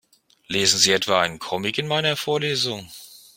Lesen Sie etwa einen Comic in meiner Vorlesung?